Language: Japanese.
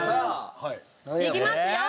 いきますよ！